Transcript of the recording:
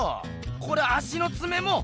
これ足のつめも？